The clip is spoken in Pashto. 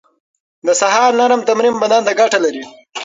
د سهار نرم تمرين بدن ته ګټه لري.